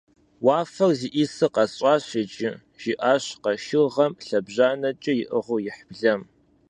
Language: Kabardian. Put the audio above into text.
- Уафэр зиӏисыр къэсщӏащ иджы, - жиӏащ къэшыргъэм лъэбжьанэкӏэ иӏыгъыу ихь блэм.